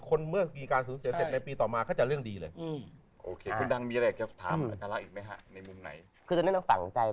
เมื่อมีการสูญเสียเสร็จในปีต่อมาก็จะเรื่องดีเลย